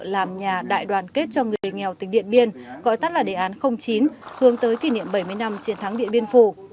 làm nhà đại đoàn kết cho người nghèo tỉnh điện biên gọi tắt là đề án chín hướng tới kỷ niệm bảy mươi năm chiến thắng điện biên phủ